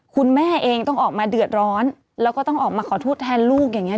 คุณแม่เองต้องออกมาเดือดร้อนแล้วก็ต้องออกมาขอโทษแทนลูกอย่างนี้